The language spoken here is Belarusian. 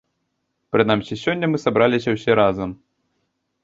Прынамсі, сёння мы сабраліся ўсе разам.